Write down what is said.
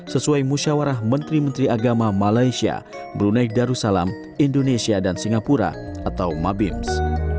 sesuai musyawarah menteri menteri agama malaysia brunei darussalam indonesia dan singapura atau mabims